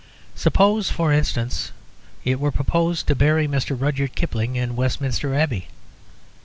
Suppose, for instance, it were proposed to bury Mr. Rudyard Kipling in Westminster Abbey.